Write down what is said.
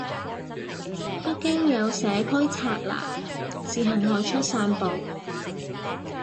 北京有社區拆欄自行外出散步